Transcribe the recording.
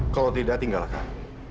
kalau tidak tinggalkan